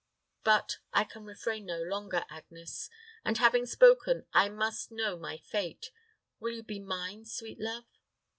But I can refrain no longer, Agnes; and, having spoken, I must know my fate. Will you be mine, sweet love?"